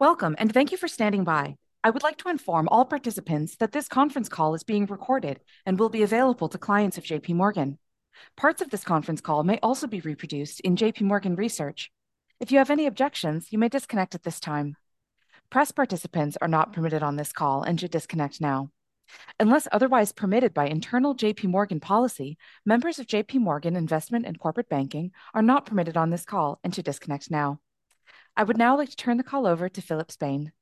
Welcome, and thank you for standing by. I would like to inform all participants that this conference call is being recorded and will be available to clients of JPMorgan. Parts of this conference call may also be reproduced in JPMorgan Research. If you have any objections, you may disconnect at this time. Press participants are not permitted on this call and should disconnect now. Unless otherwise permitted by internal JPMorgan policy, members of JPMorgan Investment and Corporate Banking are not permitted on this call and should disconnect now. I would now like to turn the call over to Philip Spain.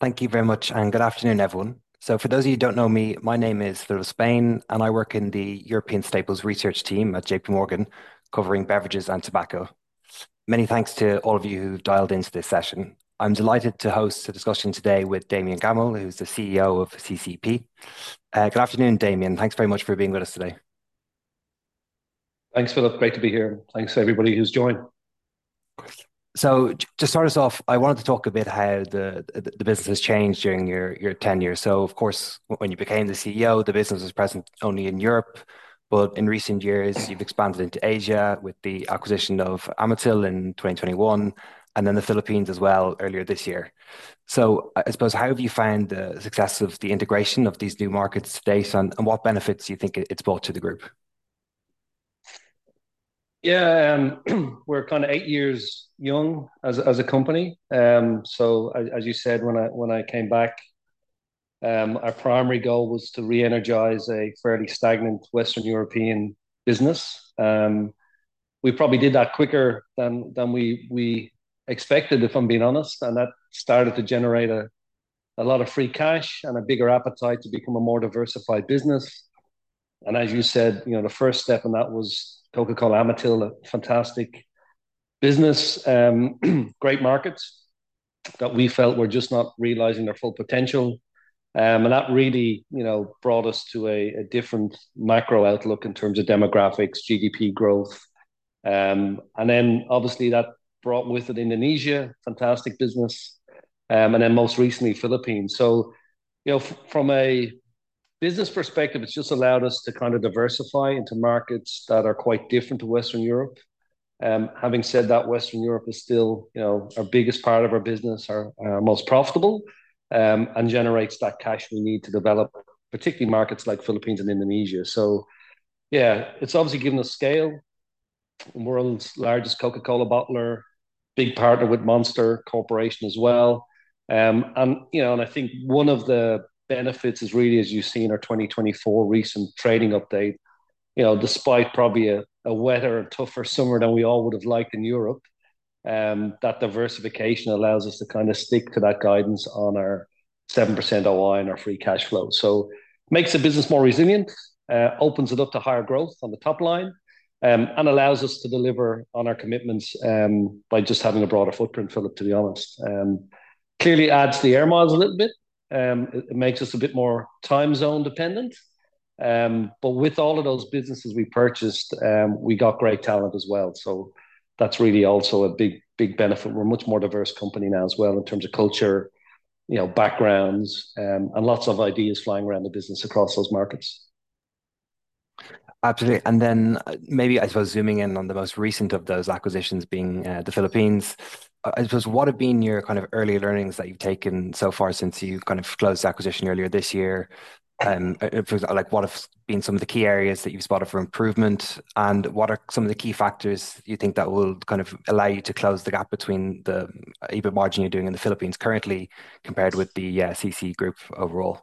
Thank you very much, and good afternoon, everyone. So for those of you who don't know me, my name is Philip Spain, and I work in the European Staples Research team at JPMorgan, covering beverages and tobacco. Many thanks to all of you who've dialed into this session. I'm delighted to host a discussion today with Damian Gammell, who's the CEO of CCEP. Good afternoon, Damian. Thanks very much for being with us today. Thanks, Philip. Great to be here. Thanks, everybody who's joined. To start us off, I wanted to talk a bit how the business has changed during your tenure. Of course, when you became the CEO, the business was present only in Europe, but in recent years, you've expanded into Asia with the acquisition of Amatil in 2021, and then the Philippines as well earlier this year. I suppose, how have you found the success of the integration of these new markets to date, and what benefits do you think it's brought to the group? Yeah, we're kind of eight years young as a company. So as you said, when I came back, our primary goal was to re-energize a fairly stagnant Western European business. We probably did that quicker than we expected, if I'm being honest, and that started to generate a lot of free cash and a bigger appetite to become a more diversified business. And as you said, you know, the first step in that was Coca-Cola Amatil, a fantastic business, great markets that we felt were just not realizing their full potential. And that really, you know, brought us to a different macro outlook in terms of demographics, GDP growth. And then obviously, that brought with it Indonesia, fantastic business, and then most recently, Philippines. So, you know, from a business perspective, it's just allowed us to kind of diversify into markets that are quite different to Western Europe. Having said that, Western Europe is still, you know, our biggest part of our business, our most profitable, and generates that cash we need to develop, particularly markets like Philippines and Indonesia. So yeah, it's obviously given us scale. The world's largest Coca-Cola bottler, big partner with Monster Corporation as well. And, you know, and I think one of the benefits is really, as you've seen, our 2024 recent trading update, you know, despite probably a wetter and tougher summer than we all would've liked in Europe, that diversification allows us to kind of stick to that guidance on our 7% OI and our free cash flow. So makes the business more resilient, opens it up to higher growth on the top line, and allows us to deliver on our commitments, by just having a broader footprint, Philip, to be honest. Clearly adds to the air miles a little bit. It makes us a bit more time zone dependent. But with all of those businesses we purchased, we got great talent as well, so that's really also a big, big benefit. We're a much more diverse company now as well in terms of culture, you know, backgrounds, and lots of ideas flying around the business across those markets. Absolutely. And then, maybe, I suppose zooming in on the most recent of those acquisitions being, the Philippines, I suppose, what have been your kind of early learnings that you've taken so far since you've kind of closed the acquisition earlier this year? If, like, what have been some of the key areas that you've spotted for improvement, and what are some of the key factors you think that will kind of allow you to close the gap between the EBIT margin you're doing in the Philippines currently, compared with the, CC group overall?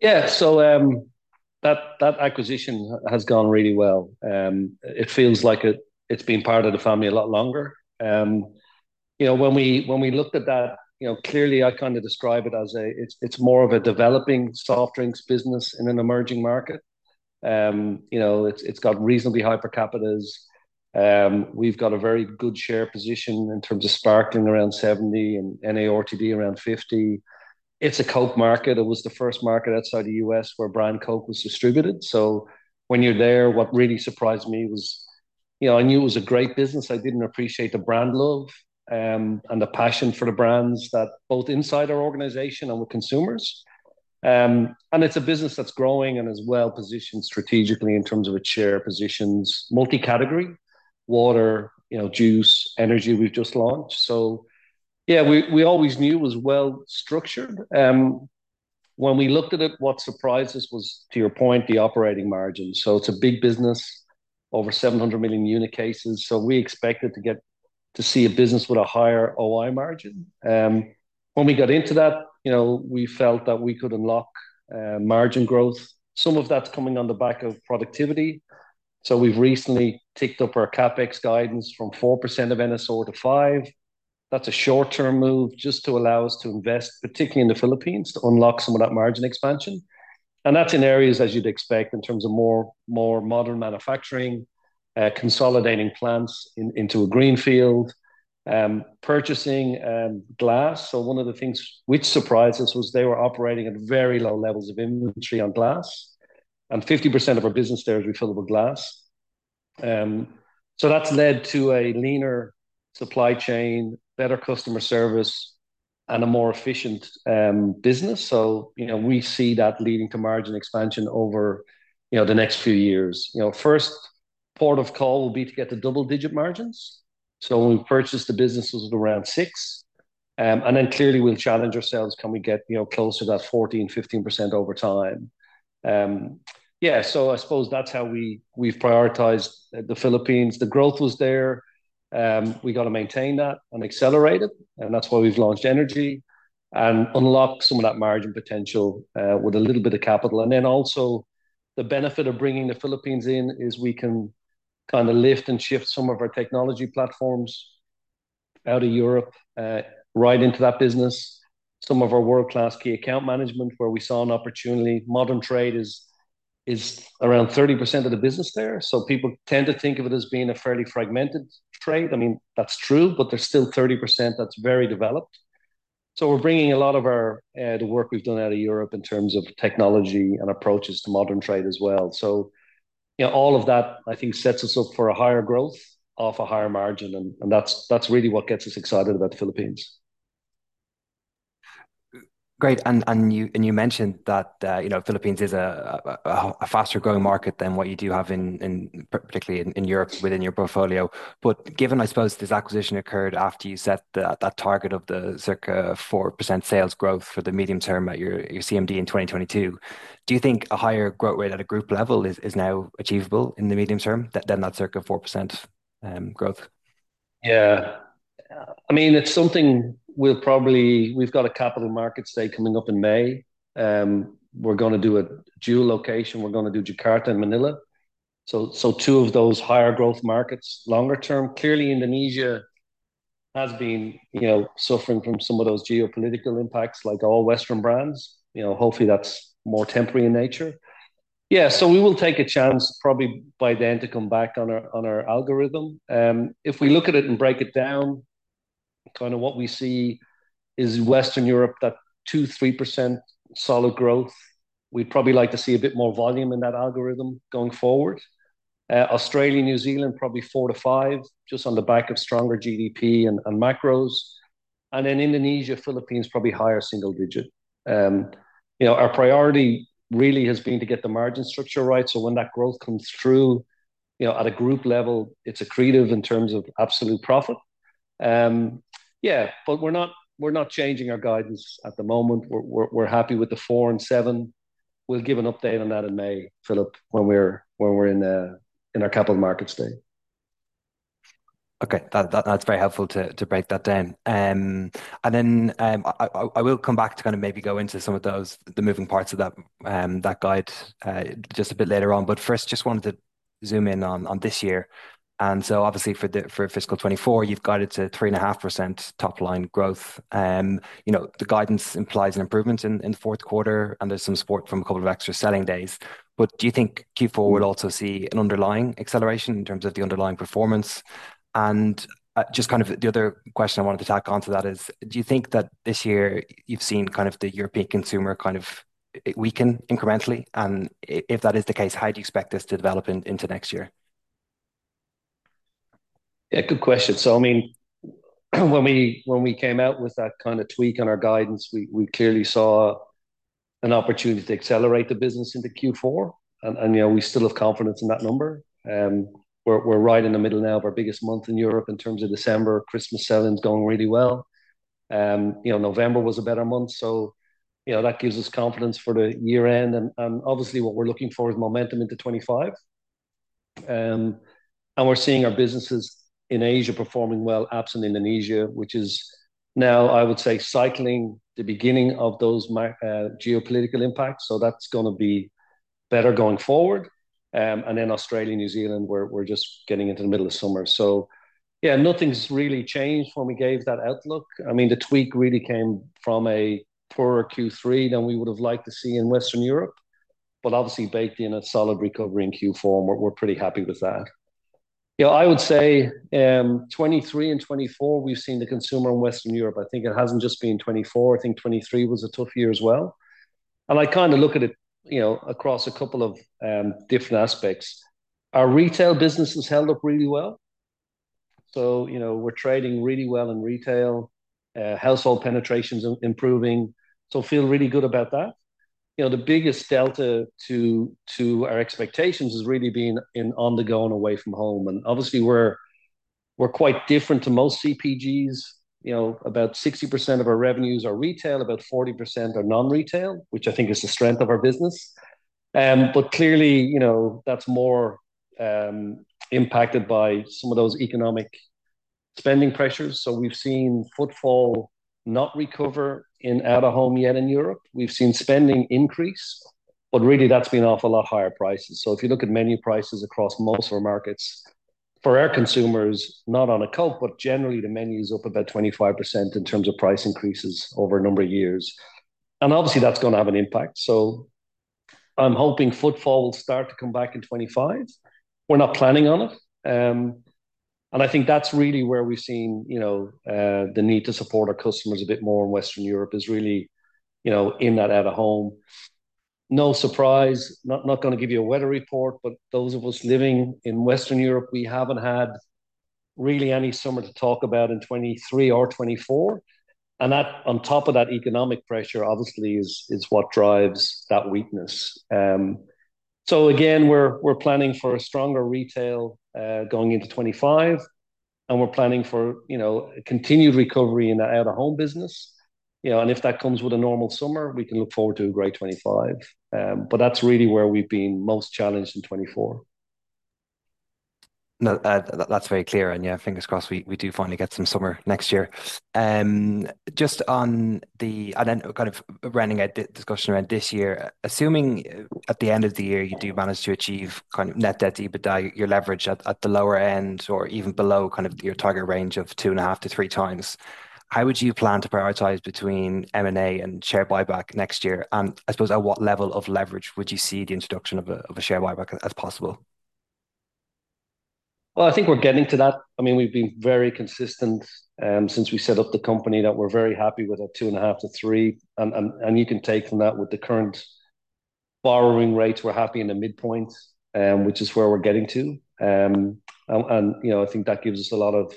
Yeah. So that acquisition has gone really well. It feels like it's been part of the family a lot longer. You know, when we looked at that, you know, clearly I'd kind of describe it as a... It's more of a developing soft drinks business in an emerging market. You know, it's got reasonably high per capita. We've got a very good share position in terms of sparkling, around 70, and NARTD, around 50. It's a Coke market. It was the first market outside the U.S. where brand Coke was distributed. So when you're there, what really surprised me was, you know, I knew it was a great business. I didn't appreciate the brand love and the passion for the brands that both inside our organization and with consumers. And it's a business that's growing and is well-positioned strategically in terms of its share positions. Multi-category: water, you know, juice, energy we've just launched. So yeah, we always knew it was well structured. When we looked at it, what surprised us was, to your point, the operating margin. So it's a big business, over 700 million unit cases, so we expected to see a business with a higher OI margin. When we got into that, you know, we felt that we could unlock margin growth. Some of that's coming on the back of productivity, so we've recently ticked up our CapEx guidance from 4% of NSR to 5%. That's a short-term move just to allow us to invest, particularly in the Philippines, to unlock some of that margin expansion. That's in areas, as you'd expect, in terms of more modern manufacturing, consolidating plants into a greenfield, purchasing glass. One of the things which surprised us was they were operating at very low levels of inventory on glass, and 50% of our business there is refillable glass. That's led to a leaner supply chain, better customer service, and a more efficient business. You know, we see that leading to margin expansion over the next few years. First port of call will be to get to double-digit margins. When we purchased the businesses at around 6%, we'll challenge ourselves: can we get close to that 14-15% over time? Yeah, I suppose that's how we've prioritized the Philippines. The growth was there. We've got to maintain that and accelerate it, and that's why we've launched energy and unlock some of that margin potential with a little bit of capital. And then also the benefit of bringing the Philippines in is we can kind of lift and shift some of our technology platforms out of Europe right into that business. Some of our world-class key account management, where we saw an opportunity. Modern trade is around 30% of the business there, so people tend to think of it as being a fairly fragmented trade. I mean, that's true, but there's still 30% that's very developed. So we're bringing a lot of our the work we've done out of Europe in terms of technology and approaches to modern trade as well. So, you know, all of that, I think, sets us up for a higher growth off a higher margin, and, and that's, that's really what gets us excited about the Philippines. Great. You mentioned that you know Philippines is a faster-growing market than what you do have in particularly in Europe within your portfolio. But given I suppose this acquisition occurred after you set that target of the circa 4% sales growth for the medium term at your CMD in 2022, do you think a higher growth rate at a group level is now achievable in the medium term than that circa 4% growth? Yeah. I mean, it's something we'll probably... We've got a Capital Markets Day coming up in May. We're gonna do a dual location. We're gonna do Jakarta and Manila, so, so two of those higher growth markets longer term. Clearly, Indonesia has been, you know, suffering from some of those geopolitical impacts, like all Western brands. You know, hopefully, that's more temporary in nature. Yeah, so we will take a chance, probably by then, to come back on our, on our outlook. If we look at it and break it down, kind of what we see is Western Europe, that 2-3% solid growth. We'd probably like to see a bit more volume in that outlook going forward. Australia, New Zealand, probably 4-5, just on the back of stronger GDP and, and macros. And then Indonesia, Philippines, probably higher single digit. You know, our priority really has been to get the margin structure right, so when that growth comes through, you know, at a group level, it's accretive in terms of absolute profit. Yeah, but we're not changing our guidance at the moment. We're happy with the four and seven. We'll give an update on that in May, Philip, when we're in our Capital Markets Day. Okay, that's very helpful to break that down. And then, I will come back to kind of maybe go into some of those, the moving parts of that, that guide, just a bit later on. But first, just wanted to zoom in on this year. And so obviously, for fiscal 2024, you've guided to 3.5% top-line growth. You know, the guidance implies an improvement in the fourth quarter, and there's some support from a couple of extra selling days. But do you think Q4 will also see an underlying acceleration in terms of the underlying performance? And just kind of the other question I wanted to tack on to that is: Do you think that this year you've seen kind of the European consumer kind of weaken incrementally? If that is the case, how do you expect this to develop into next year? Yeah, good question. So I mean, when we, when we came out with that kind of tweak on our guidance, we, we clearly saw an opportunity to accelerate the business into Q4. And, and, you know, we still have confidence in that number. We're, we're right in the middle now of our biggest month in Europe in terms of December. Christmas selling is going really well. You know, November was a better month, so, you know, that gives us confidence for the year end. And, obviously, what we're looking for is momentum into 2025. And we're seeing our businesses in Asia performing well, ops in Indonesia, which is now, I would say, cycling the beginning of those geopolitical impacts, so that's gonna be better going forward. And then Australia, New Zealand, we're, we're just getting into the middle of summer. Yeah, nothing's really changed when we gave that outlook. I mean, the tweak really came from a poorer Q3 than we would've liked to see in Western Europe, but obviously baked in a solid recovery in Q4, and we're pretty happy with that. You know, I would say, 2023 and 2024, we've seen the consumer in Western Europe. I think it hasn't just been 2024, I think 2023 was a tough year as well. And I kind of look at it, you know, across a couple of different aspects. Our retail business has held up really well. So, you know, we're trading really well in retail. Household penetration's improving, so feel really good about that. You know, the biggest delta to our expectations has really been in on the go and away from home. And obviously, we're quite different to most CPGs. You know, about 60% of our revenues are retail, about 40% are non-retail, which I think is the strength of our business. But clearly, you know, that's more impacted by some of those economic spending pressures. So we've seen footfall not recover in out of home yet in Europe. We've seen spending increase, but really that's been off a lot higher prices. So if you look at menu prices across most of our markets, for our consumers, not on contract, but generally the menu is up about 25% in terms of price increases over a number of years. And obviously, that's gonna have an impact. So I'm hoping footfall will start to come back in 2025. We're not planning on it. And I think that's really where we've seen, you know, the need to support our customers a bit more in Western Europe is really, you know, in that out of home. No surprise, not gonna give you a weather report, but those of us living in Western Europe, we haven't had really any summer to talk about in 2023 or 2024. And that, on top of that economic pressure, obviously is what drives that weakness. So again, we're planning for a stronger retail going into 2025, and we're planning for, you know, a continued recovery in the out-of-home business. You know, and if that comes with a normal summer, we can look forward to a great 2025. But that's really where we've been most challenged in 2024. No, that, that's very clear. And yeah, fingers crossed, we do finally get some summer next year. And then kind of rounding out the discussion around this year, assuming at the end of the year you do manage to achieve kind of net debt to EBITDA, your leverage at the lower end or even below kind of your target range of two and a half to three times, how would you plan to prioritize between M&A and share buyback next year? And I suppose, at what level of leverage would you see the introduction of a share buyback as possible? Well, I think we're getting to that. I mean, we've been very consistent since we set up the company, that we're very happy with a two and a half to three. And you can take from that, with the current borrowing rates, we're happy in the midpoint, which is where we're getting to. And, you know, I think that gives us a lot of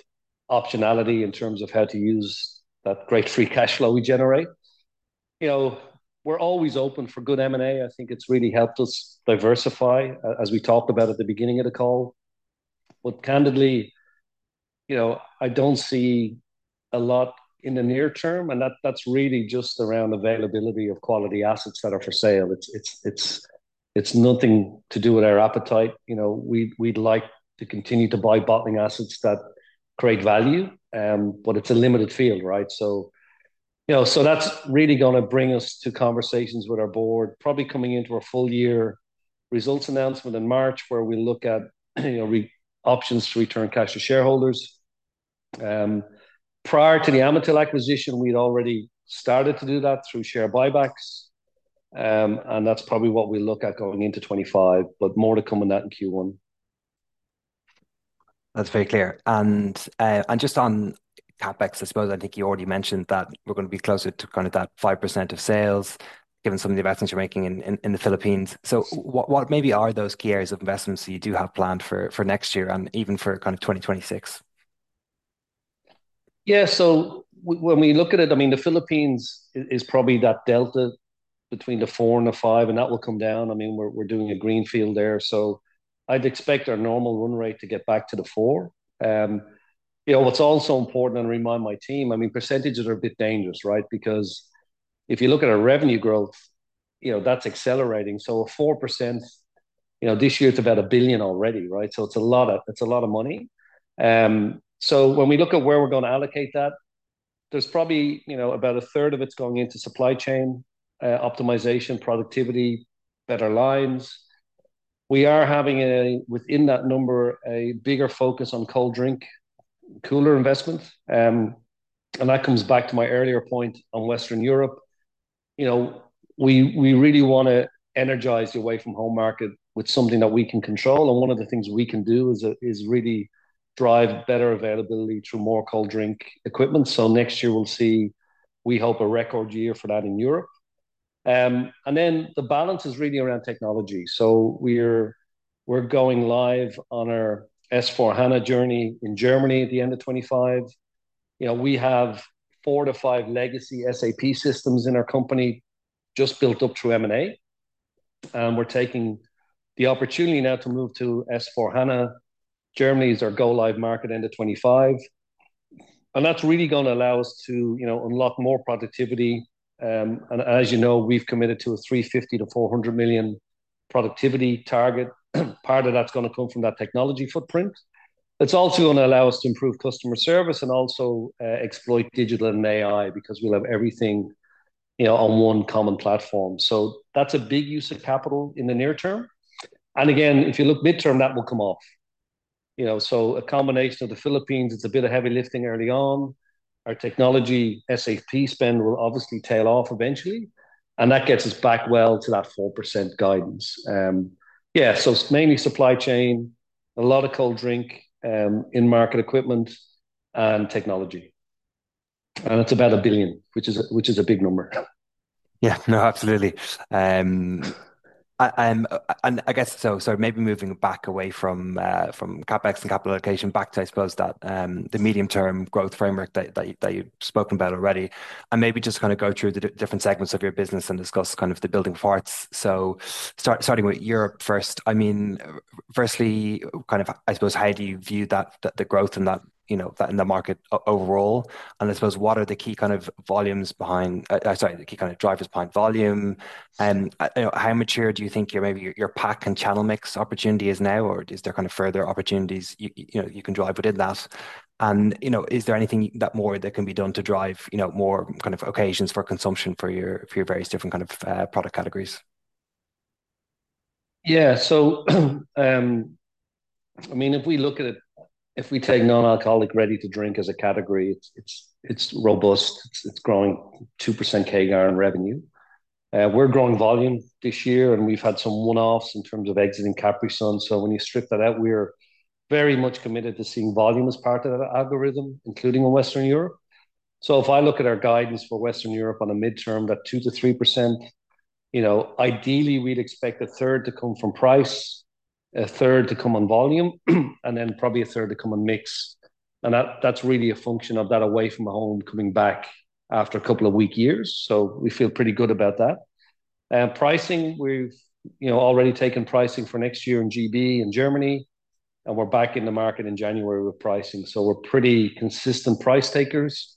optionality in terms of how to use that great free cash flow we generate. You know, we're always open for good M&A. I think it's really helped us diversify, as we talked about at the beginning of the call. But candidly, you know, I don't see a lot in the near term, and that's really just around availability of quality assets that are for sale. It's nothing to do with our appetite. You know, we'd like to continue to buy bottling assets that create value, but it's a limited field, right? So, you know, so that's really gonna bring us to conversations with our board, probably coming into our full year results announcement in March, where we look at, you know, return options to return cash to shareholders. Prior to the Amatil acquisition, we'd already started to do that through share buybacks, and that's probably what we look at going into 2025, but more to come on that in Q1. That's very clear. And just on CapEx, I suppose I think you already mentioned that we're gonna be closer to kind of that 5% of sales, given some of the investments you're making in the Philippines. So what maybe are those key areas of investments that you do have planned for next year and even for kind of 2026? Yeah, so when we look at it, I mean, the Philippines is probably that delta between the 4% and the 5%, and that will come down. I mean, we're doing a greenfield there, so I'd expect our normal run rate to get back to the 4%. You know, what's also important, and I remind my team, I mean, percentages are a bit dangerous, right? Because if you look at our revenue growth, you know, that's accelerating. So 4%, you know, this year it's about 1 billion already, right? So it's a lot of... it's a lot of money. So when we look at where we're gonna allocate that, there's probably, you know, about a third of it's going into supply chain optimization, productivity, better lines. We are having a within that number, a bigger focus on cold drink cooler investments. And that comes back to my earlier point on Western Europe. You know, we really want to energize the away-from-home market with something that we can control, and one of the things we can do is really drive better availability through more cold drink equipment. So next year we'll see, we hope, a record year for that in Europe. And then the balance is really around technology. So we're going live on our S/4HANA journey in Germany at the end of 2025. You know, we have four to five legacy SAP systems in our company just built up through M&A, and we're taking the opportunity now to move to S/4HANA. Germany is our go-live market, end of 2025, and that's really gonna allow us to, you know, unlock more productivity. And as you know, we've committed to a 350 million-400 million productivity target. Part of that's gonna come from that technology footprint. It's also gonna allow us to improve customer service and also, exploit digital and AI, because we'll have everything, you know, on one common platform. So that's a big use of capital in the near term. And again, if you look midterm, that will come off. You know, so a combination of the Philippines, it's a bit of heavy lifting early on. Our technology, SAP spend will obviously tail off eventually, and that gets us back well to that 4% guidance. Yeah, so it's mainly supply chain, a lot of cold drink, in-market equipment, and technology. And it's about a 1 billion, which is a big number. Yeah. No, absolutely. And I guess, so maybe moving back away from CapEx and capital allocation back to, I suppose, the medium-term growth framework that you've spoken about already, and maybe just kind of go through the different segments of your business and discuss kind of the building parts. So starting with Europe first, I mean, firstly, kind of, I suppose, how do you view that, the growth in that, you know, that in the market overall? And I suppose, what are the key kind of volumes behind Sorry, the key kind of drivers behind volume? You know, how mature do you think your maybe your pack and channel mix opportunity is now, or is there kind of further opportunities you know, you can drive within that? You know, is there anything more that can be done to drive, you know, more kind of occasions for consumption for your various different kind of product categories? Yeah, so, I mean, if we look at it, if we take non-alcoholic ready-to-drink as a category, it's robust. It's growing 2% CAGR in revenue. We're growing volume this year, and we've had some one-offs in terms of exiting Capri-Sun. So when you strip that out, we're very much committed to seeing volume as part of that algorithm, including in Western Europe. So if I look at our guidance for Western Europe on a midterm, that 2%-3%, you know, ideally, we'd expect a third to come from price, a third to come on volume, and then probably a third to come on mix. And that, that's really a function of that away-from-home coming back after a couple of weak years, so we feel pretty good about that. Pricing, we've, you know, already taken pricing for next year in GB and Germany, and we're back in the market in January with pricing, so we're pretty consistent price takers.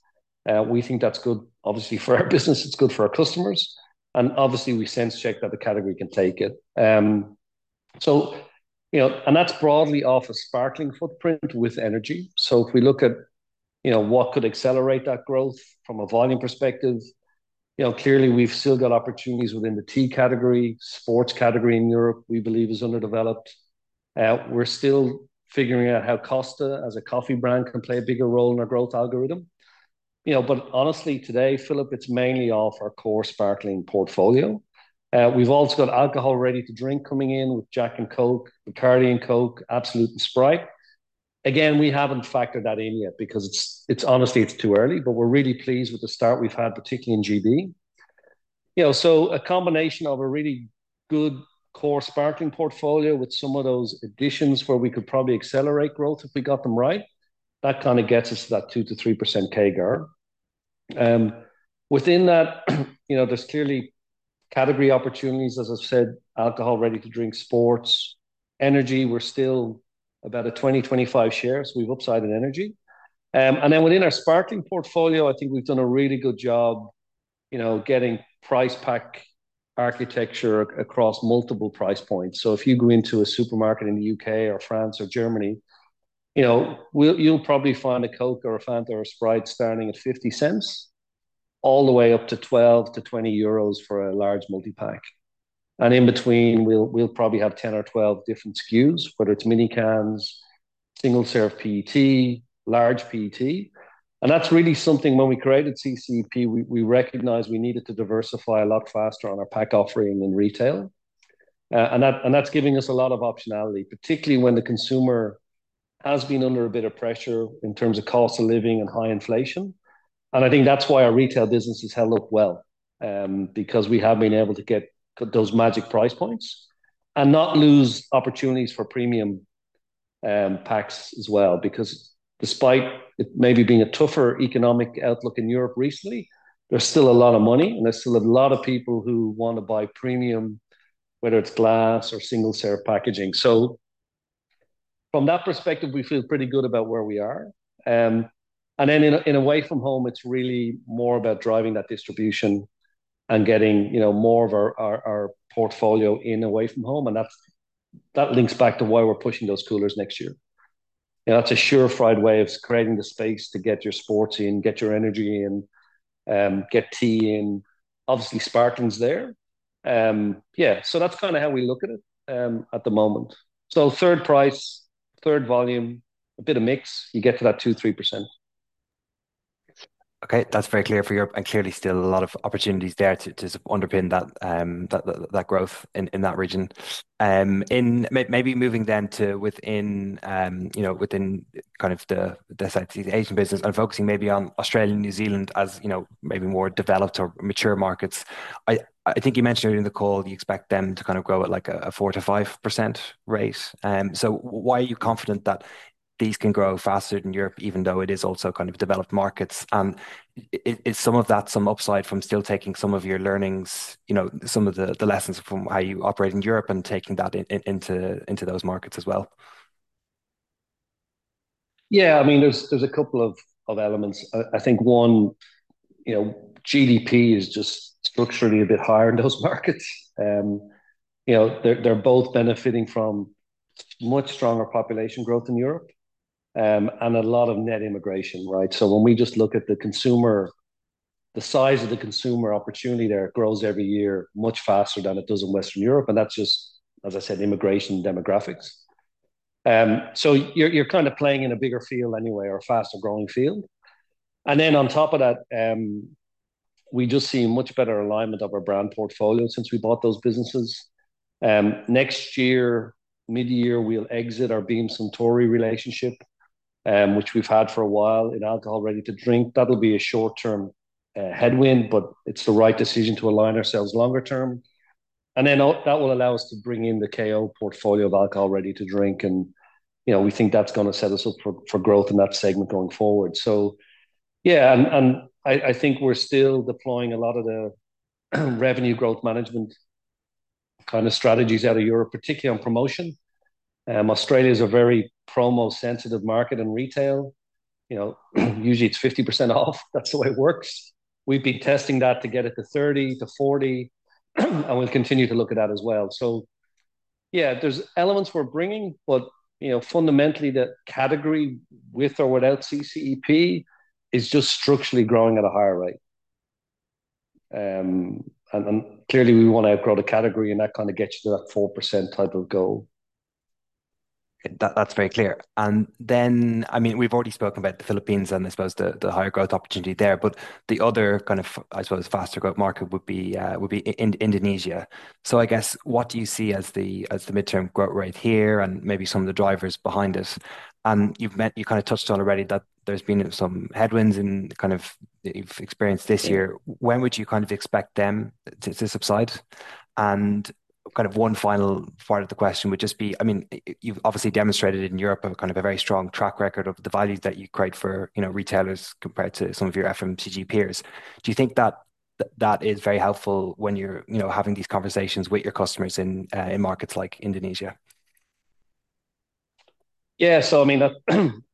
We think that's good, obviously, for our business, it's good for our customers, and obviously we sense check that the category can take it. So, you know, and that's broadly off a sparkling footprint with energy. So if we look at, you know, what could accelerate that growth from a volume perspective, you know, clearly we've still got opportunities within the tea category. Sports category in Europe, we believe is underdeveloped. We're still figuring out how Costa, as a coffee brand, can play a bigger role in our growth algorithm. You know, but honestly, today, Philip, it's mainly off our core sparkling portfolio. We've also got alcohol ready-to-drink coming in with Jack and Coke, Bacardi and Coke, Absolut and Sprite. Again, we haven't factored that in yet because it's honestly too early, but we're really pleased with the start we've had, particularly in GB. You know, so a combination of a really good core sparkling portfolio with some of those additions where we could probably accelerate growth if we got them right, that kind of gets us to that 2-3% CAGR. Within that, you know, there's clearly category opportunities, as I've said, alcohol ready-to-drink, sports, energy. We're still about a 20-25 share, so we have upside in energy. And then within our sparkling portfolio, I think we've done a really good job, you know, getting price pack architecture across multiple price points. So if you go into a supermarket in the UK or France or Germany, you know, you'll probably find a Coke or a Fanta or a Sprite starting at 50 cents, all the way up to 12-20 euros for a large multi-pack. And in between, we'll probably have 10 or 12 different SKUs, whether it's mini cans, single-serve PET, large PET. And that's really something when we created CCEP. We recognized we needed to diversify a lot faster on our pack offering in retail. And that's giving us a lot of optionality, particularly when the consumer has been under a bit of pressure in terms of cost of living and high inflation. I think that's why our retail business has held up well, because we have been able to get those magic price points and not lose opportunities for premium packs as well. Because despite it maybe being a tougher economic outlook in Europe recently, there's still a lot of money, and there's still a lot of people who want to buy premium, whether it's glass or single-serve packaging. So from that perspective, we feel pretty good about where we are, and then in away from home, it's really more about driving that distribution and getting, you know, more of our portfolio in away from home, and that links back to why we're pushing those coolers next year. You know, that's a surefire way of creating the space to get your sports in, get your energy in, get tea in. Obviously, sparkling's there. Yeah, so that's kind of how we look at it, at the moment. So third price, third volume, a bit of mix, you get to that 2-3%. Okay, that's very clear for Europe, and clearly still a lot of opportunities there to underpin that growth in that region. Maybe moving then to within, you know, within kind of the CCEP, the Asian business, and focusing maybe on Australia and New Zealand, as you know, maybe more developed or mature markets. I think you mentioned it in the call, you expect them to kind of grow at, like, a 4-5% rate. So why are you confident that these can grow faster than Europe, even though it is also kind of developed markets? And is some of that some upside from still taking some of your learnings, you know, some of the lessons from how you operate in Europe and taking that into those markets as well? Yeah, I mean, there's a couple of elements. I think, one, you know, GDP is just structurally a bit higher in those markets. You know, they're both benefiting from much stronger population growth in Europe, and a lot of net immigration, right? So when we just look at the consumer, the size of the consumer opportunity there grows every year much faster than it does in Western Europe, and that's just, as I said, immigration demographics. So you're kind of playing in a bigger field anyway, or a faster-growing field. And then on top of that, we just see much better alignment of our brand portfolio since we bought those businesses. Next year, mid-year, we'll exit our Beam Suntory relationship, which we've had for a while in alcohol ready-to-drink. That'll be a short-term headwind, but it's the right decision to align ourselves longer term. That will allow us to bring in the KO portfolio of alcohol ready-to-drink, and, you know, we think that's gonna set us up for growth in that segment going forward. Yeah, and I think we're still deploying a lot of the revenue growth management kind of strategies out of Europe, particularly on promotion. Australia's a very promo-sensitive market in retail. You know, usually it's 50% off. That's the way it works. We've been testing that to get it to 30%-40%, and we'll continue to look at that as well. Yeah, there's elements we're bringing but, you know, fundamentally, the category, with or without CCEP, is just structurally growing at a higher rate. Clearly, we want to outgrow the category, and that kind of gets you to that 4% type of goal. That, that's very clear. And then, I mean, we've already spoken about the Philippines, and I suppose the, the higher growth opportunity there, but the other kind of, I suppose, faster growth market would be Indonesia. So I guess, what do you see as the, as the mid-term growth rate here, and maybe some of the drivers behind it? And you've mentioned you kind of touched on already that there's been some headwinds and kind of you've experienced this year When would you kind of expect them to subside? And kind of one final part of the question would just be, I mean, you've obviously demonstrated in Europe of kind of a very strong track record of the value that you create for, you know, retailers compared to some of your FMCG peers. Do you think that that is very helpful when you're, you know, having these conversations with your customers in markets like Indonesia? Yeah. So I mean, that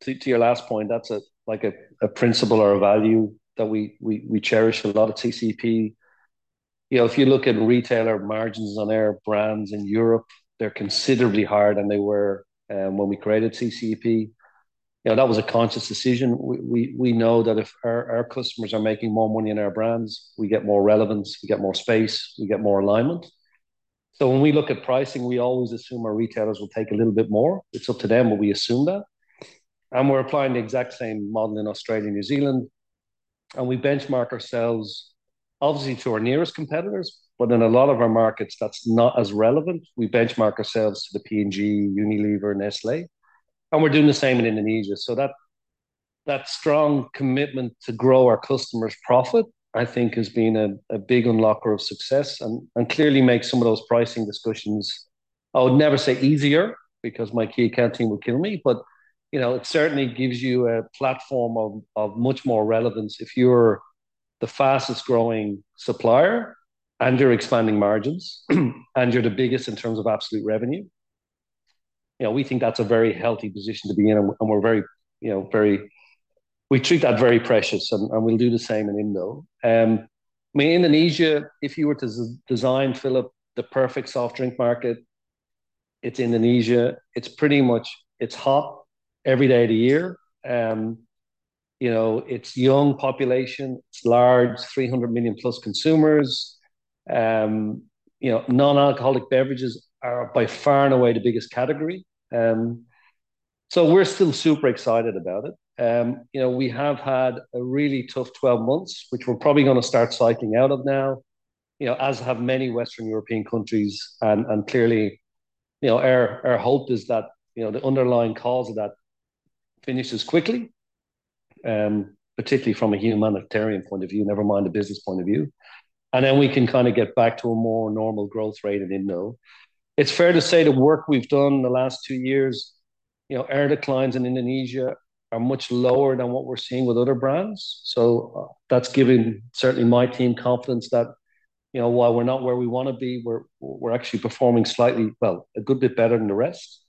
to your last point, that's like a principle or a value that we cherish a lot at CCEP. You know, if you look at retailer margins on our brands in Europe, they're considerably higher than they were when we created CCEP. You know, that was a conscious decision. We know that if our customers are making more money on our brands, we get more relevance, we get more space, we get more alignment. So when we look at pricing, we always assume our retailers will take a little bit more. It's up to them, but we assume that, and we're applying the exact same model in Australia, New Zealand, and we benchmark ourselves obviously to our nearest competitors, but in a lot of our markets, that's not as relevant. We benchmark ourselves to the P&G, Unilever, Nestlé, and we're doing the same in Indonesia. So that strong commitment to grow our customers' profit, I think has been a big unlocker of success and clearly make some of those pricing discussions... I would never say easier, because my key account team would kill me, but you know, it certainly gives you a platform of much more relevance. If you're the fastest growing supplier and you're expanding margins, and you're the biggest in terms of absolute revenue, you know, we think that's a very healthy position to be in, and we're very... We treat that very precious, and we'll do the same in Indo. I mean, Indonesia, if you were to design, Philip, the perfect soft drink market, it's Indonesia. It's pretty much it's hot every day of the year. You know, it's young population. It's large, 300 million plus consumers. You know, non-alcoholic beverages are by far and away the biggest category. So we're still super excited about it. You know, we have had a really tough 12 months, which we're probably gonna start cycling out of now, you know, as have many Western European countries. And clearly, you know, our hope is that, you know, the underlying cause of that finishes quickly, particularly from a humanitarian point of view, never mind a business point of view. And then we can kind of get back to a more normal growth rate in Indonesia. It's fair to say the work we've done in the last two years, you know, our declines in Indonesia are much lower than what we're seeing with other brands, so that's giving certainly my team confidence that, you know, while we're not where we wanna be, we're actually performing slightly, well, a good bit better than the rest.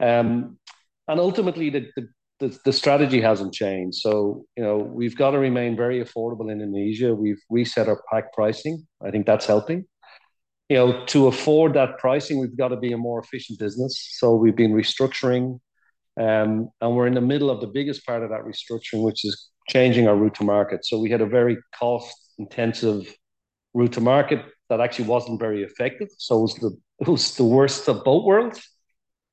And ultimately, the strategy hasn't changed. So, you know, we've got to remain very affordable in Indonesia. We've reset our pack pricing. I think that's helping. You know, to afford that pricing, we've got to be a more efficient business, so we've been restructuring, and we're in the middle of the biggest part of that restructuring, which is changing our route to market. So we had a very cost-intensive route to market that actually wasn't very effective, so it was the, it was the worst of both worlds.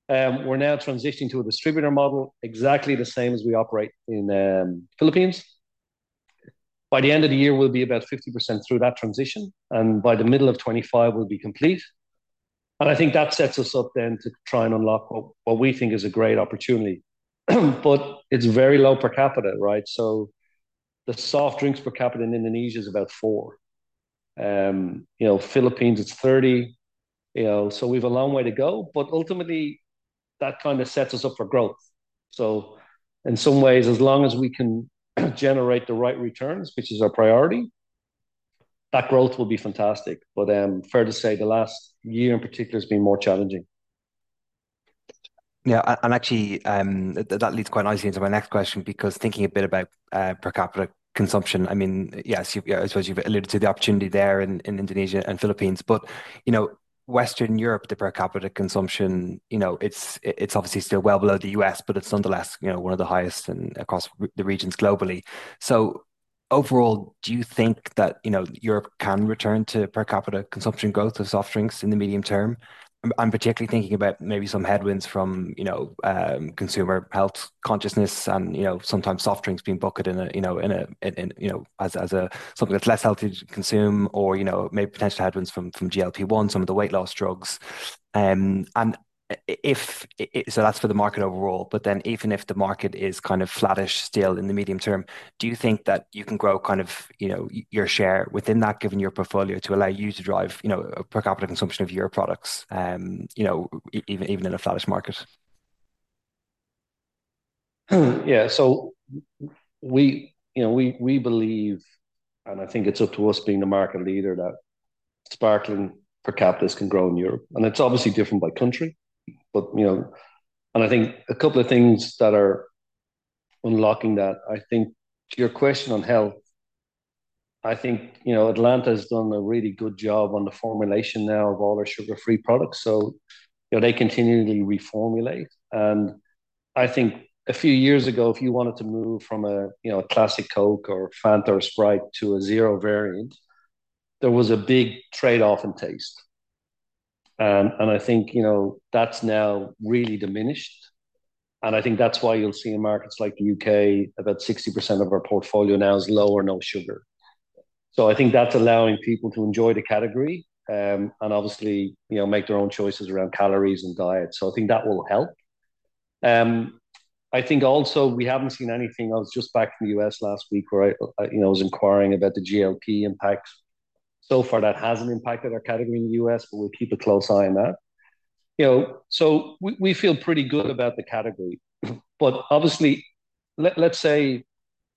We're now transitioning to a distributor model exactly the same as we operate in, Philippines. By the end of the year, we'll be about 50% through that transition, and by the middle of 2025, we'll be complete. And I think that sets us up then to try and unlock what, what we think is a great opportunity. But it's very low per capita, right? So the soft drinks per capita in Indonesia is about four. You know, Philippines, it's 30, you know, so we've a long way to go, but ultimately, that kind of sets us up for growth. So in some ways, as long as we can generate the right returns, which is our priority, that growth will be fantastic. But, fair to say, the last year in particular has been more challenging. Yeah, and actually, that leads quite nicely into my next question, because thinking a bit about per capita consumption, I mean, yes, you, I suppose you've alluded to the opportunity there in Indonesia and Philippines, but, you know, Western Europe, the per capita consumption, you know, it's obviously still well below the U.S., but it's nonetheless, you know, one of the highest across the regions globally. So overall, do you think that, you know, Europe can return to per capita consumption growth of soft drinks in the medium term? I'm particularly thinking about maybe some headwinds from, you know, consumer health consciousness and, you know, sometimes soft drinks being bucketed in a, you know, in a, in, you know, as, as a something that's less healthy to consume or, you know, maybe potential headwinds from GLP-1, some of the weight loss drugs, and if so that's for the market overall, but then even if the market is kind of flattish still in the medium term, do you think that you can grow kind of, you know, your share within that, given your portfolio, to allow you to drive, you know, per capita consumption of your products, you know, even, even in a flattish market? Yeah. So we, you know, believe, and I think it's up to us being the market leader, that sparkling per capita can grow in Europe, and it's obviously different by country, but you know. And I think a couple of things that are unlocking that. I think to your question on health, I think, you know, Atlanta has done a really good job on the formulation now of all their sugar-free products. So you know, they continually reformulate, and I think a few years ago, if you wanted to move from a, you know, a classic Coke or Fanta or Sprite to a zero variant, there was a big trade-off in taste. And I think, you know, that's now really diminished, and I think that's why you'll see in markets like the U.K., about 60% of our portfolio now is low or no sugar. So I think that's allowing people to enjoy the category, and obviously, you know, make their own choices around calories and diet. So I think that will help. I think also we haven't seen anything. I was just back from the U.S. last week where I, you know, was inquiring about the GLP impact. So far, that hasn't impacted our category in the U.S., but we'll keep a close eye on that. You know, so we feel pretty good about the category. But obviously, let's say,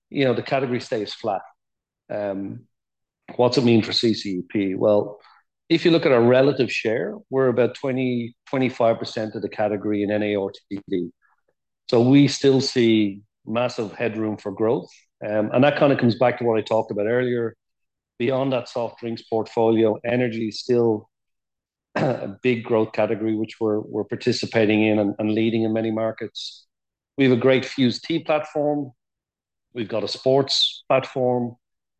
you know, the category stays flat. What's it mean for CCEP? Well, if you look at our relative share, we're about 20-25% of the category in NARTD. So we still see massive headroom for growth. And that kind of comes back to what I talked about earlier. Beyond that soft drinks portfolio, energy is still a big growth category, which we're participating in and leading in many markets. We have a great Fuze Tea platform, we've got a sports platform,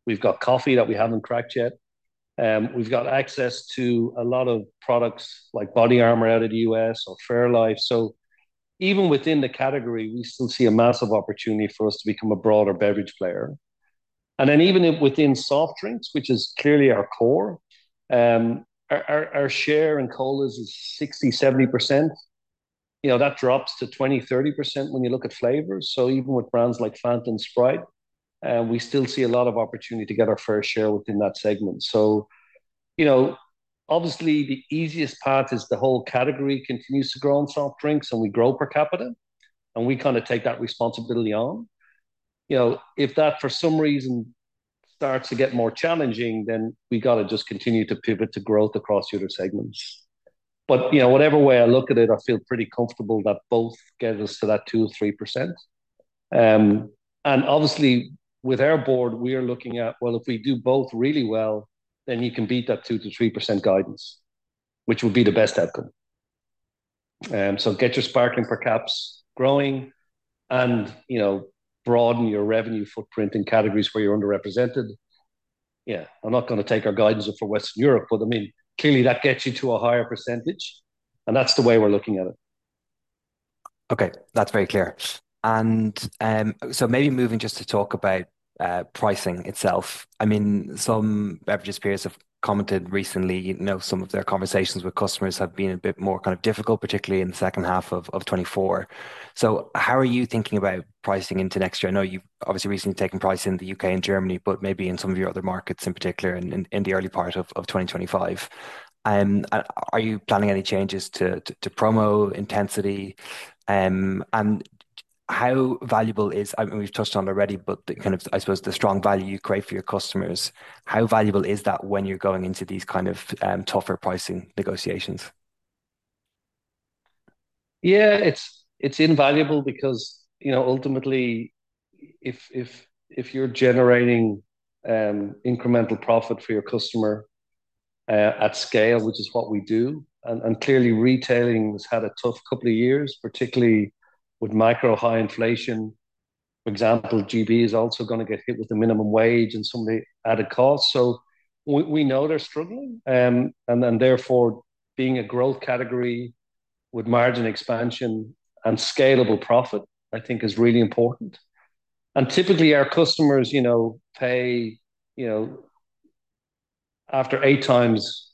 we've got coffee that we haven't cracked yet, we've got access to a lot of products like BODYARMOR out of the U.S. or fairlife. So even within the category, we still see a massive opportunity for us to become a broader beverage player. And then even if within soft drinks, which is clearly our core, our share in cola is 60-70%. You know, that drops to 20-30% when you look at flavors. So even with brands like Fanta and Sprite, we still see a lot of opportunity to get our fair share within that segment. So, you know, obviously the easiest path is the whole category continues to grow in soft drinks, and we grow per capita, and we kind of take that responsibility on. You know, if that, for some reason, starts to get more challenging, then we've got to just continue to pivot to growth across the other segments. But, you know, whatever way I look at it, I feel pretty comfortable that both get us to that 2 or 3%. And obviously, with our board, we are looking at, well, if we do both really well, then you can beat that 2-3% guidance, which would be the best outcome. So get your sparkling per caps growing and, you know, broaden your revenue footprint in categories where you're underrepresented. Yeah, I'm not going to take our guidance for Western Europe, but I mean, clearly that gets you to a higher percentage, and that's the way we're looking at it. Okay, that's very clear, and so maybe moving just to talk about pricing itself. I mean, some beverages peers have commented recently, you know, some of their conversations with customers have been a bit more kind of difficult, particularly in the second half of 2024. So how are you thinking about pricing into next year? I know you've obviously recently taken pricing in the U.K. and Germany, but maybe in some of your other markets, in particular, in the early part of 2025. And are you planning any changes to promo intensity? And how valuable is... I mean, we've touched on already, but the kind of, I suppose, the strong value you create for your customers, how valuable is that when you're going into these kind of tougher pricing negotiations? Yeah, it's invaluable because, you know, ultimately, if you're generating incremental profit for your customer at scale, which is what we do, and clearly retailing has had a tough couple of years, particularly with macro high inflation. For example, GB is also going to get hit with the minimum wage and some of the added costs. So we know they're struggling, and then therefore, being a growth category with margin expansion and scalable profit, I think is really important. And typically, our customers, you know, pay, you know, after eight times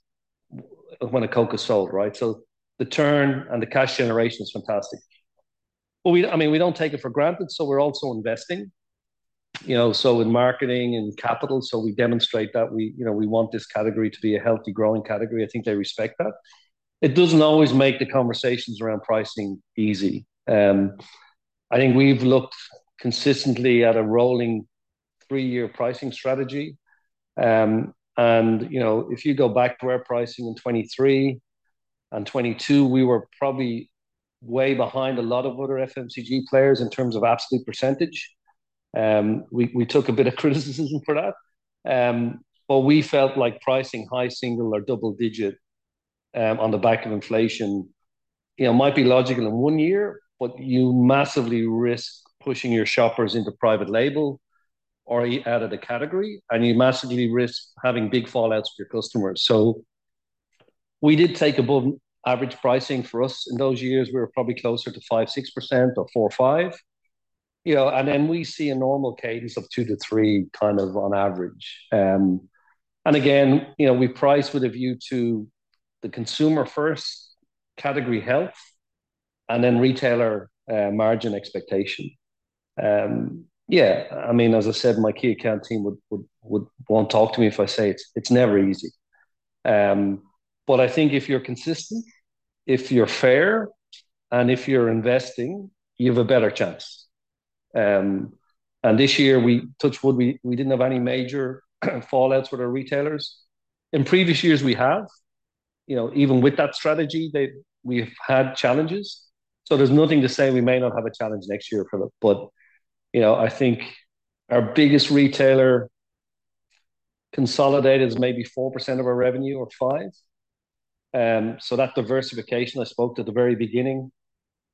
when a Coke is sold, right? So the turn and the cash generation is fantastic. But we, I mean, we don't take it for granted, so we're also investing, you know, so in marketing and capital. So we demonstrate that we, you know, we want this category to be a healthy, growing category. I think they respect that. It doesn't always make the conversations around pricing easy. I think we've looked consistently at a rolling three-year pricing strategy. And, you know, if you go back to our pricing in 2023 and 2022, we were probably way behind a lot of other FMCG players in terms of absolute percentage. We took a bit of criticism for that. But we felt like pricing high single or double digit, on the back of inflation, you know, might be logical in one year, but you massively risk pushing your shoppers into private label or out of the category, and you massively risk having big fallouts with your customers. So we did take above average pricing for us. In those years, we were probably closer to 5-6% or 4-5%, you know, and then we see a normal cadence of 2-3%, kind of on average, and again, you know, we price with a view to the consumer first, category health, and then retailer margin expectation. Yeah, I mean, as I said, my key account team wouldn't talk to me if I say it. It's never easy, but I think if you're consistent, if you're fair, and if you're investing, you have a better chance, and this year, we touch wood, we didn't have any major fallouts with our retailers. In previous years, we have. You know, even with that strategy, we've had challenges. So there's nothing to say we may not have a challenge next year, Philip. But, you know, I think our biggest retailer consolidated maybe 4% of our revenue or 5%. So that diversification I spoke to at the very beginning,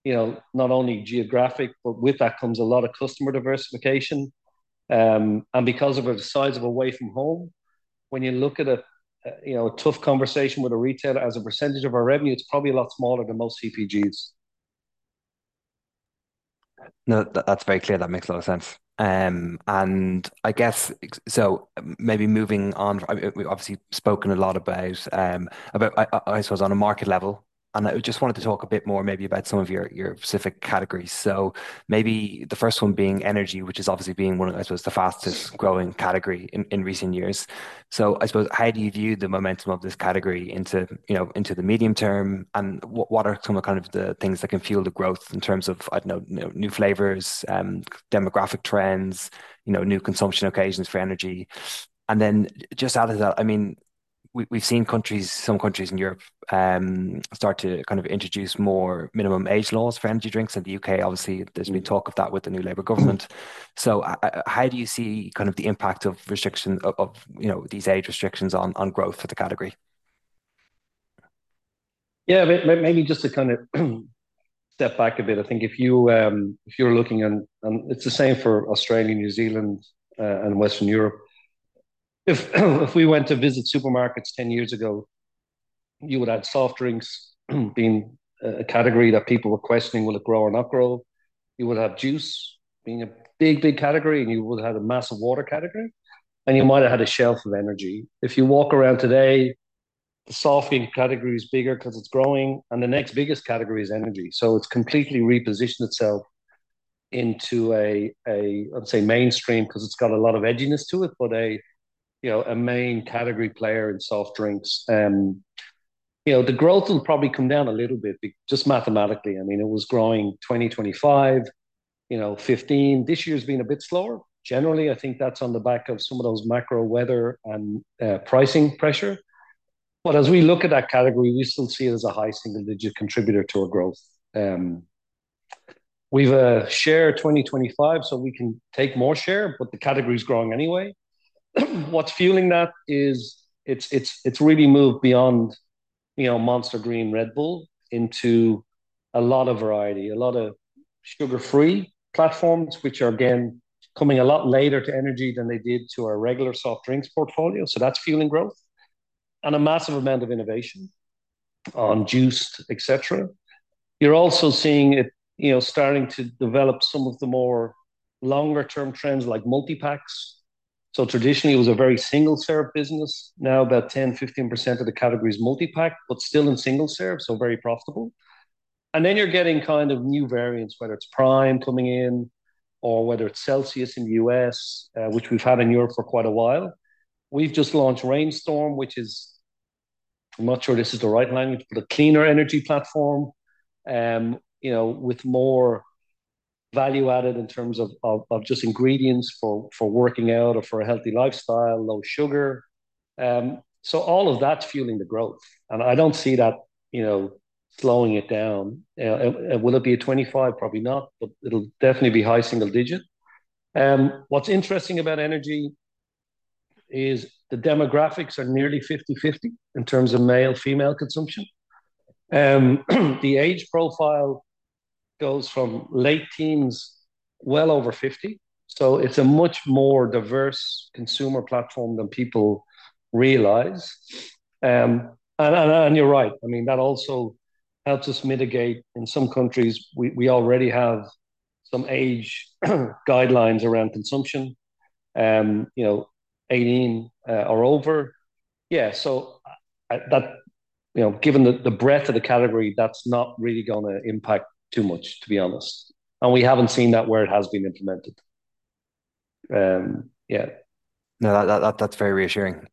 you know, not only geographic, but with that comes a lot of customer diversification. And because of the size of Away From Home, when you look at a, you know, a tough conversation with a retailer as a percentage of our revenue, it's probably a lot smaller than most CPGs.... No, that, that's very clear. That makes a lot of sense. And I guess, so maybe moving on, we've obviously spoken a lot about about I suppose on a market level, and I just wanted to talk a bit more maybe about some of your specific categories. So maybe the first one being energy, which is obviously being one of, I suppose, the fastest growing category in recent years. So I suppose, how do you view the momentum of this category into, you know, into the medium term? And what are some of kind of the things that can fuel the growth in terms of, I don't know, new flavors, demographic trends, you know, new consumption occasions for energy? And then just out of that, I mean, we've seen countries, some countries in Europe, start to kind of introduce more minimum age laws for energy drinks. In the U.K., obviously, there's been talk of that with the new Labour government. So how do you see kind of the impact of restriction of you know these age restrictions on growth for the category? Yeah, maybe just to kind of step back a bit. I think if you're looking, and it's the same for Australia, New Zealand, and Western Europe, if we went to visit supermarkets ten years ago, you would have soft drinks, being a category that people were questioning, will it grow or not grow? You would have juice being a big, big category, and you would have had a massive water category, and you might have had a shelf of energy. If you walk around today, the soft drink category is bigger 'cause it's growing, and the next biggest category is energy. So it's completely repositioned itself into a, I'd say, mainstream, 'cause it's got a lot of edginess to it, but a, you know, a main category player in soft drinks. You know, the growth will probably come down a little bit, just mathematically. I mean, it was growing 2025, you know, 2015. This year's been a bit slower. Generally, I think that's on the back of some of those macro, weather and pricing pressure. But as we look at that category, we still see it as a high single-digit contributor to our growth. We've a share of 2025, so we can take more share, but the category's growing anyway. What's fueling that is it's really moved beyond, you know, Monster, Green, Red Bull into a lot of variety, a lot of sugar-free platforms, which are, again, coming a lot later to energy than they did to our regular soft drinks portfolio, so that's fueling growth, and a massive amount of innovation on juiced, et cetera. You're also seeing it, you know, starting to develop some of the more longer-term trends, like multi-packs. So traditionally, it was a very single-serve business. Now, about 10-15% of the category is multi-pack, but still in single-serve, so very profitable. And then you're getting kind of new variants, whether it's PRIME coming in or whether it's Celsius in the U.S., which we've had in Europe for quite a while. We've just launched Reign Storm, which is... I'm not sure this is the right language, but a cleaner energy platform, with more value added in terms of just ingredients for working out or for a healthy lifestyle, low sugar. So all of that's fueling the growth, and I don't see that, you know, slowing it down. Will it be a 25? Probably not, but it'll definitely be high single digit. What's interesting about energy is the demographics are nearly 50-50 in terms of male-female consumption. The age profile goes from late teens well over fifty, so it's a much more diverse consumer platform than people realize. And you're right. I mean, that also helps us mitigate. In some countries, we already have some age guidelines around consumption, you know, eighteen or over. Yeah, so that, you know, given the breadth of the category, that's not really gonna impact too much, to be honest, and we haven't seen that where it has been implemented. Yeah. No, that, that's very reassuring.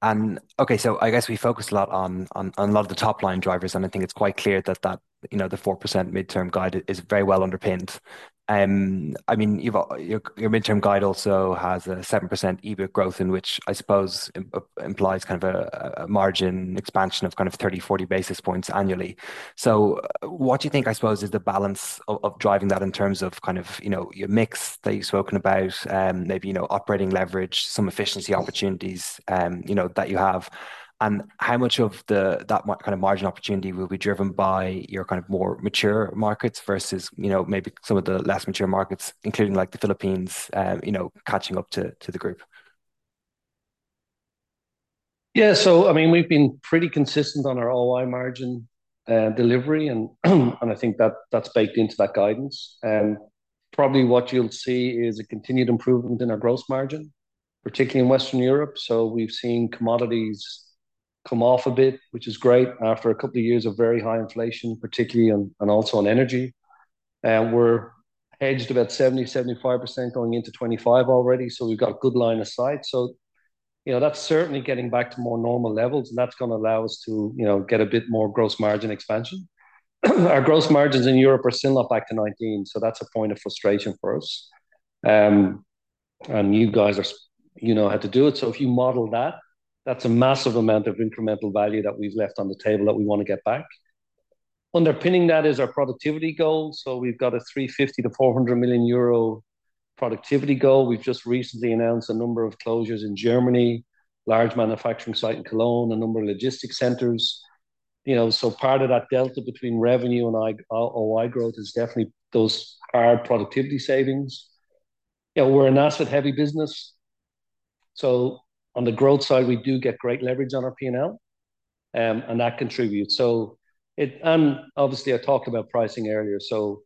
And okay, so I guess we focused a lot on a lot of the top-line drivers, and I think it's quite clear that that, you know, the 4% midterm guide is very well underpinned. I mean, you've... Your, your midterm guide also has a 7% EBIT growth, in which I suppose implies kind of a margin expansion of kind of 30-40 basis points annually. So what do you think, I suppose, is the balance of driving that in terms of kind of, you know, your mix that you've spoken about, maybe, you know, operating leverage, some efficiency opportunities, you know, that you have? And how much of the, that margin kind of margin opportunity will be driven by your kind of more mature markets versus, you know, maybe some of the less mature markets, including, like, the Philippines, you know, catching up to the group? Yeah, so I mean, we've been pretty consistent on our OI margin delivery, and I think that's baked into that guidance. Probably what you'll see is a continued improvement in our gross margin, particularly in Western Europe. So we've seen commodities come off a bit, which is great, after a couple of years of very high inflation, particularly, and also on energy. We're hedged about 70-75% going into 2025 already, so we've got good line of sight. So, you know, that's certainly getting back to more normal levels, and that's gonna allow us to, you know, get a bit more gross margin expansion. Our gross margins in Europe are still not back to 19%, so that's a point of frustration for us. And you guys are, you know, how to do it. So if you model that, that's a massive amount of incremental value that we've left on the table that we want to get back. Underpinning that is our productivity goal, so we've got a 350 million-400 million euro productivity goal. We've just recently announced a number of closures in Germany, large manufacturing site in Cologne, a number of logistics centers. You know, so part of that delta between revenue and OI growth is definitely those hard productivity savings. You know, we're an asset-heavy business. So on the growth side, we do get great leverage on our P&L, and that contributes. So and obviously, I talked about pricing earlier, so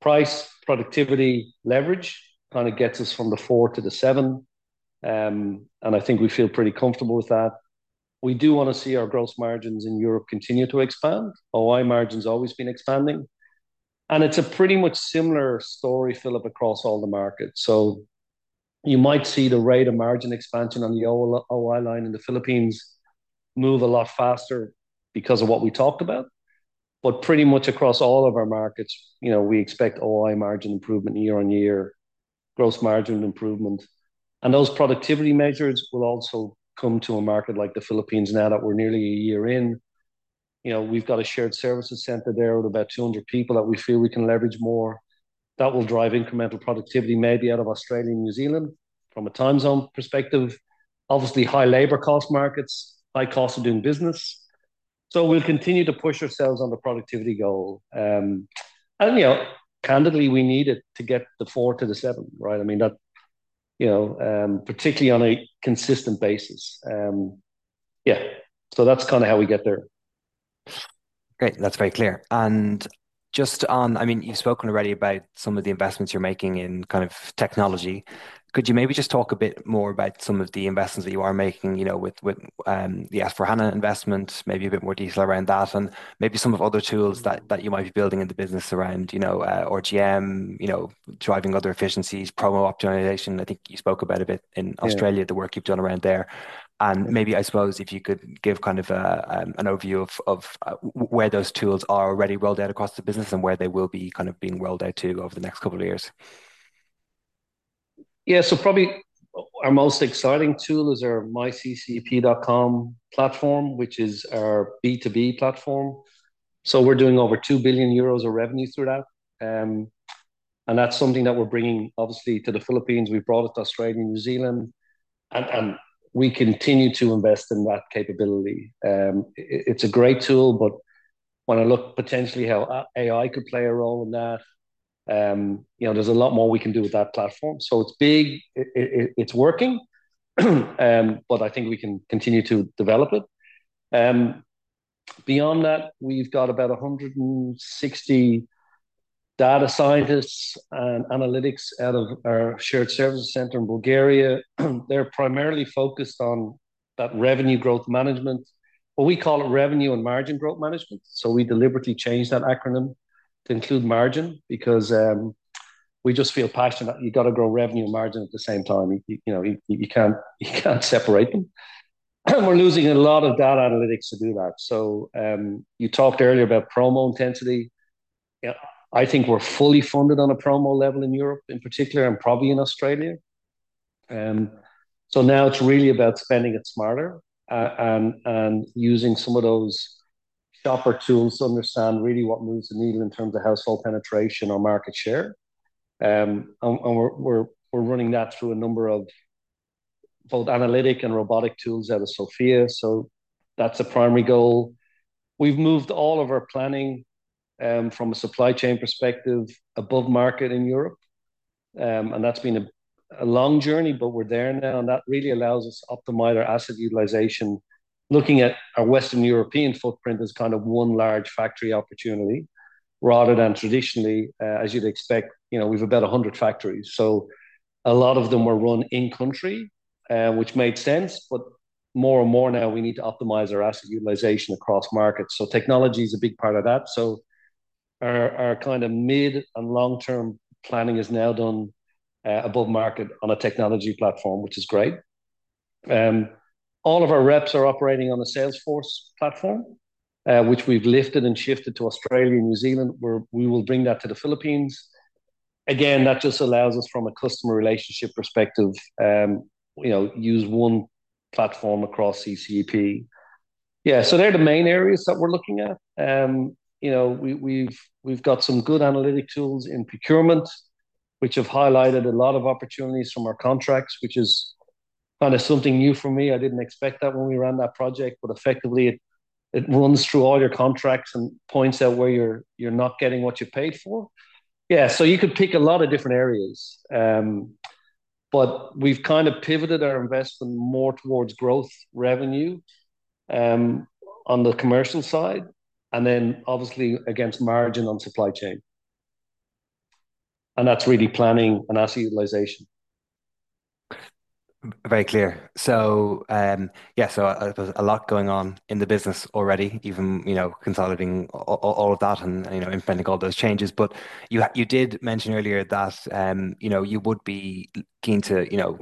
price, productivity, leverage kind of gets us from the four to the seven. And I think we feel pretty comfortable with that. We do want to see our gross margins in Europe continue to expand. OI margin's always been expanding, and it's a pretty much similar story, Philip, across all the markets. So you might see the rate of margin expansion on the OI line in the Philippines move a lot faster because of what we talked about. But pretty much across all of our markets, you know, we expect OI margin improvement year on year, gross margin improvement. And those productivity measures will also come to a market like the Philippines now that we're nearly a year in. You know, we've got a shared services center there with about 200 people that we feel we can leverage more. That will drive incremental productivity, maybe out of Australia and New Zealand from a time zone perspective. Obviously, high labor cost markets, high cost of doing business. We'll continue to push ourselves on the productivity goal, and you know, candidly, we need it to get the four to the seven, right? I mean, that you know, particularly on a consistent basis. Yeah, so that's kind of how we get there. Great. That's very clear, and just on... I mean, you've spoken already about some of the investments you're making in kind of technology. Could you maybe just talk a bit more about some of the investments that you are making, you know, with the S/4HANA investment, maybe a bit more detail around that, and maybe some of the other tools that you might be building in the business around, you know, RGM, you know, driving other efficiencies, promo optimization. I think you spoke about a bit in Australia- Yeah -the work you've done around there. And maybe, I suppose, if you could give kind of an overview of where those tools are already rolled out across the business and where they will be kind of being rolled out to over the next couple of years. Yeah, so probably our most exciting tool is our myCCEP.com platform, which is our B2B platform. So we're doing over 2 billion euros of revenue through that. And that's something that we're bringing obviously to the Philippines. We've brought it to Australia and New Zealand, and we continue to invest in that capability. It's a great tool, but when I look potentially how AI could play a role in that, you know, there's a lot more we can do with that platform. So it's big, it's working, but I think we can continue to develop it. Beyond that, we've got about 160 data scientists and analytics out of our shared services center in Bulgaria. They're primarily focused on that revenue growth management, but we call it revenue and margin growth management. So we deliberately changed that acronym to include margin because we just feel passionate that you've got to grow revenue and margin at the same time. You know, you can't separate them. We're using a lot of data analytics to do that. So you talked earlier about promo intensity. Yeah, I think we're fully funded on a promo level in Europe in particular, and probably in Australia. So now it's really about spending it smarter and using some of those shopper tools to understand really what moves the needle in terms of household penetration or market share. And we're running that through a number of both analytic and robotic tools out of Sofia, so that's a primary goal. We've moved all of our planning from a supply chain perspective above market in Europe. And that's been a long journey, but we're there now, and that really allows us to optimize our asset utilization. Looking at our Western European footprint as kind of one large factory opportunity, rather than traditionally, as you'd expect, you know, we've about a hundred factories. So a lot of them were run in country, which made sense, but more and more now we need to optimize our asset utilization across markets. So technology is a big part of that. So our kind of mid and long-term planning is now done above market on a technology platform, which is great. All of our reps are operating on the Salesforce platform, which we've lifted and shifted to Australia and New Zealand, where we will bring that to the Philippines. Again, that just allows us from a customer relationship perspective, you know, use one platform across CCEP. Yeah, so they're the main areas that we're looking at. You know, we've got some good analytic tools in procurement, which have highlighted a lot of opportunities from our contracts, which is kind of something new for me. I didn't expect that when we ran that project, but effectively, it runs through all your contracts and points out where you're not getting what you paid for. Yeah, so you could pick a lot of different areas. But we've kind of pivoted our investment more towards growth revenue on the commercial side, and then obviously against margin on supply chain, and that's really planning and asset utilization. Very clear. So, yeah, so, there's a lot going on in the business already, even, you know, consolidating all of that and, you know, implementing all those changes. But you did mention earlier that, you know, you would be keen to, you know,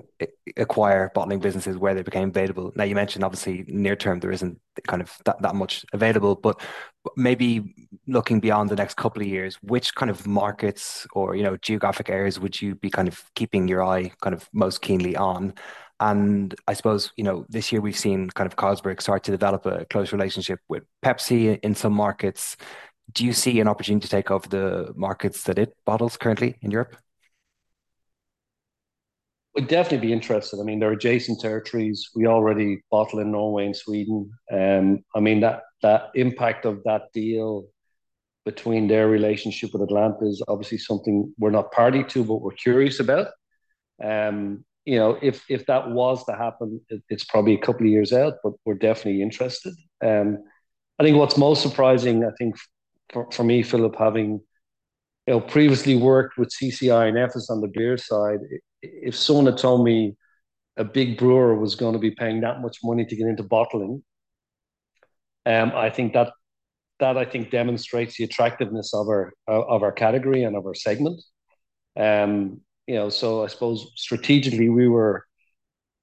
acquire bottling businesses where they became available. Now, you mentioned obviously near term, there isn't kind of that much available. But maybe looking beyond the next couple of years, which kind of markets or, you know, geographic areas would you be kind of keeping your eye kind of most keenly on? And I suppose, you know, this year we've seen kind of Carlsberg start to develop a close relationship with Pepsi in some markets. Do you see an opportunity to take over the markets that it bottles currently in Europe? We'd definitely be interested. I mean, they're adjacent territories. We already bottle in Norway and Sweden. I mean, that impact of that deal between their relationship with Atlanta is obviously something we're not party to, but we're curious about. You know, if that was to happen, it's probably a couple of years out, but we're definitely interested. I think what's most surprising, I think for me, Philip, having you know previously worked with CCI and Efes on the beer side, if someone had told me a big brewer was gonna be paying that much money to get into bottling, I think that I think demonstrates the attractiveness of our of our category and of our segment. You know, so I suppose strategically we were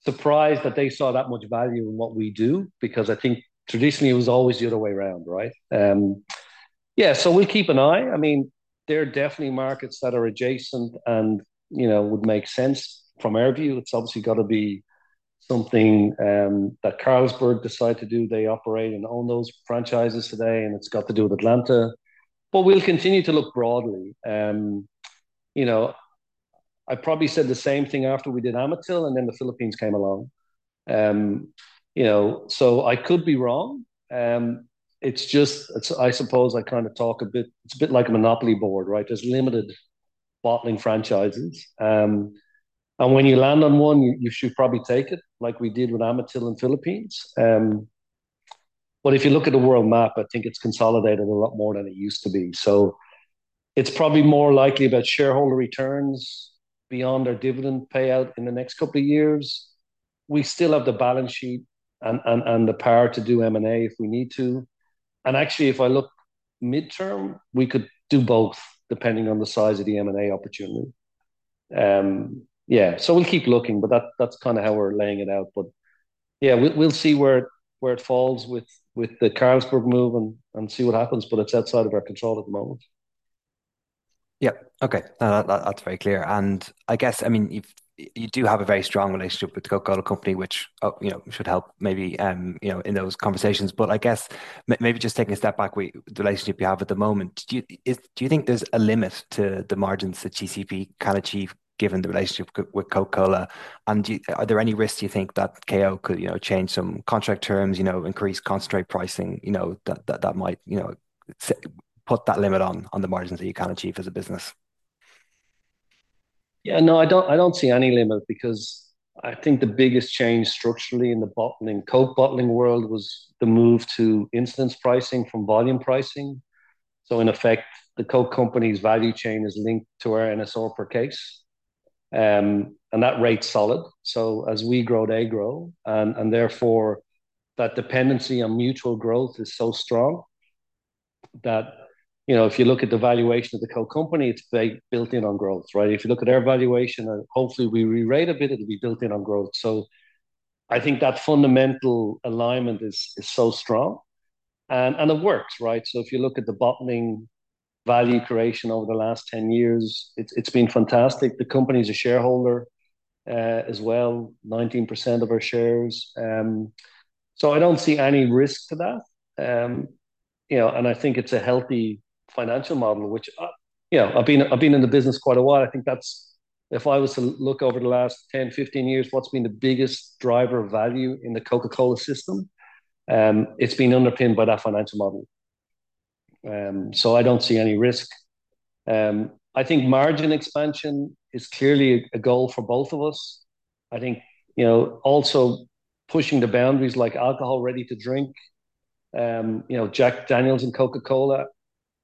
surprised that they saw that much value in what we do, because I think traditionally it was always the other way around, right? Yeah, so we keep an eye. I mean, there are definitely markets that are adjacent and, you know, would make sense from our view. It's obviously got to be something that Carlsberg decide to do. They operate and own those franchises today, and it's got to do with Atlanta. But we'll continue to look broadly. You know, I probably said the same thing after we did Amatil There's limited bottling franchises, and when you land on one, you should probably take it, like we did with Amatil Yeah. Okay. No, that, that's very clear. And I guess, I mean, you do have a very strong relationship with The Coca-Cola Company, which, you know, should help maybe, you know, in those conversations. But I guess maybe just taking a step back, the relationship you have at the moment, do you think there's a limit to the margins that CCEP can achieve given the relationship with Coca-Cola? And are there any risks, do you think, that KO could, you know, change some contract terms, you know, increase concentrate pricing, you know, that might, you know, put that limit on the margins that you can achieve as a business? Yeah. No, I don't see any limit because I think the biggest change structurally in the bottling, Coke bottling world was the move to Incidence Pricing from volume pricing. So in effect, the Coke company's value chain is linked to our NSL per case, and that rate's solid. So as we grow, they grow, and therefore, that dependency on mutual growth is so strong that, you know, if you look at the valuation of the Coke company, it's very built in on growth, right? If you look at their valuation, and hopefully we re-rate a bit, it'll be built in on growth. So I think that fundamental alignment is so strong, and it works, right? So if you look at the bottling value creation over the last 10 years, it's been fantastic. The company's a shareholder as well, 19% of our shares. So I don't see any risk to that. You know, and I think it's a healthy financial model, which, you know, I've been in the business quite a while. I think that's... If I was to look over the last 10, 15 years, what's been the biggest driver of value in the Coca-Cola system, it's been underpinned by that financial model. So I don't see any risk. I think margin expansion is clearly a goal for both of us. I think, you know, also pushing the boundaries, like alcohol, ready to drink, you know, Jack Daniel's and Coca-Cola.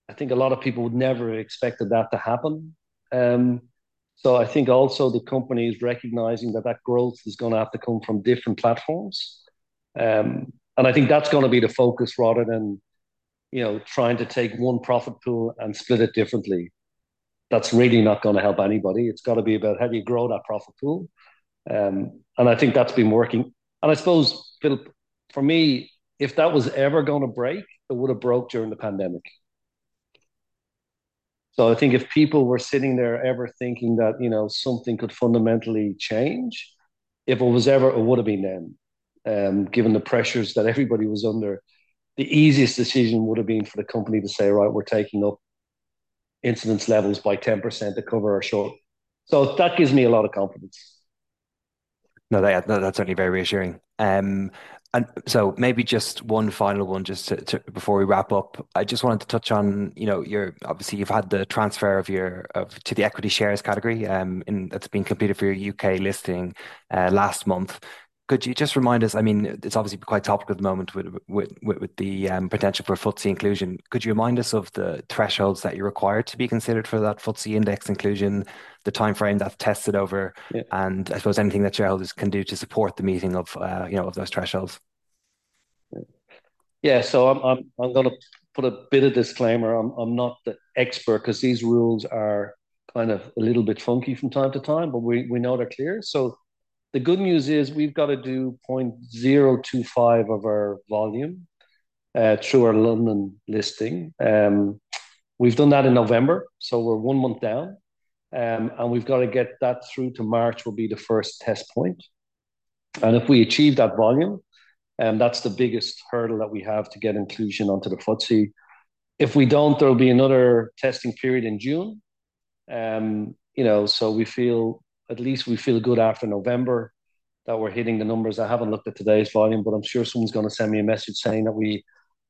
I think a lot of people would never have expected that to happen. So I think also the company is recognizing that that growth is gonna have to come from different platforms. And I think that's gonna be the focus rather than, you know, trying to take one profit pool and split it differently. That's really not gonna help anybody. It's got to be about, how do you grow that profit pool? And I think that's been working. And I suppose, Philip, for me, if that was ever gonna break, it would have broke during the pandemic. So I think if people were sitting there ever thinking that, you know, something could fundamentally change, if it was ever, it would've been then. Given the pressures that everybody was under, the easiest decision would've been for the company to say, "Right, we're taking up incidence levels by 10% to cover our short." So that gives me a lot of confidence. No, that's certainly very reassuring. And so maybe just one final one, just to... Before we wrap up, I just wanted to touch on, you know, obviously you've had the transfer to the equity shares category, and that's been completed for your U.K. listing last month. Could you just remind us... I mean, it's obviously quite topical at the moment with the potential for FTSE inclusion. Could you just remind us of the thresholds that you're required to be considered for that FTSE index inclusion, the timeframe that's tested over- Yeah... and I suppose anything that shareholders can do to support the meeting of, you know, of those thresholds? Yeah. So I'm gonna put a bit of disclaimer. I'm not the expert, 'cause these rules are kind of a little bit funky from time to time, but we know they're clear. So the good news is, we've got to do point zero two five of our volume through our London listing. We've done that in November, so we're one month down, and we've got to get that through to March, which will be the first test point. And if we achieve that volume, that's the biggest hurdle that we have to get inclusion onto the FTSE. If we don't, there'll be another testing period in June. You know, so we feel, at least we feel good after November, that we're hitting the numbers. I haven't looked at today's volume, but I'm sure someone's gonna send me a message saying that we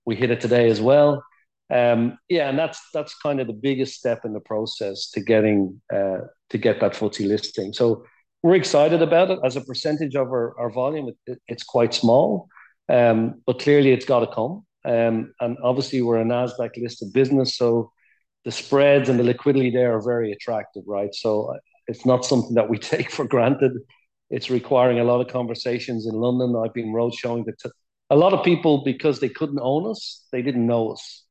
hit it today as well. Yeah, and that's the biggest step in the process to getting to get that FTSE listing. So we're excited about it. As a percentage of our volume, it's quite small, but clearly it's got to come. And obviously, we're a NASDAQ-listed business, so the spreads and the liquidity there are very attractive, right? So it's not something that we take for granted. It's requiring a lot of conversations in London. I've been road showing the... A lot of people, because they couldn't own us, they didn't know us.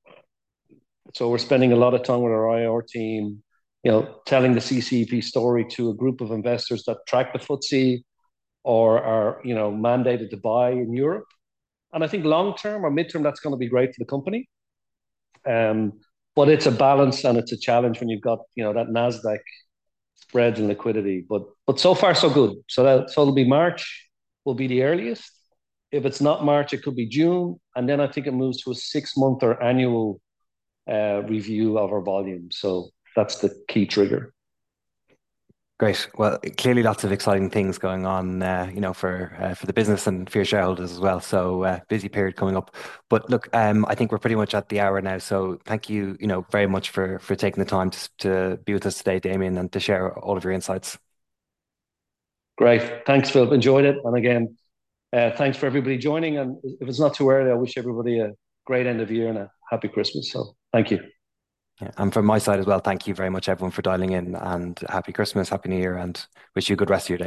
So we're spending a lot of time with our IR team, you know, telling the CCEP story to a group of investors that track the FTSE or are, you know, mandated to buy in Europe. And I think long term or midterm, that's gonna be great for the company. But it's a balance and it's a challenge when you've got, you know, that NASDAQ spreads and liquidity. But, but so far, so good. So that- so it'll be March, will be the earliest. If it's not March, it could be June, and then I think it moves to a six-month or annual review of our volume. So that's the key trigger. Great. Well, clearly lots of exciting things going on, you know, for the business and for your shareholders as well. So, busy period coming up. But look, I think we're pretty much at the hour now, so thank you, you know, very much for taking the time to be with us today, Damian, and to share all of your insights. Great. Thanks, Philip. Enjoyed it. And again, thanks for everybody joining, and if it's not too early, I wish everybody a great end of year and a happy Christmas, so thank you. Yeah, and from my side as well, thank you very much everyone for dialing in, and Happy Christmas, Happy New Year, and wish you a good rest of your day.